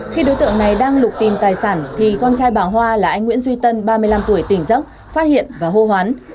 khi đối tượng này đang lục tìm tài sản thì con trai bà hoa là anh nguyễn duy tân ba mươi năm tuổi tỉnh dốc phát hiện và hô hoán